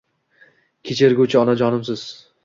Kechirguvchi onajonimsiz